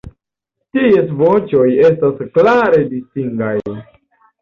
Ties voĉoj estas klare distingaj.